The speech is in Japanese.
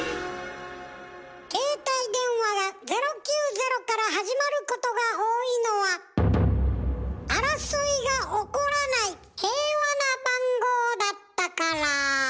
携帯電話が０９０から始まることが多いのは争いが起こらない平和な番号だったから。